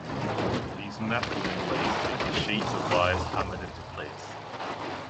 These metal inlays could be sheets or wires hammered into place.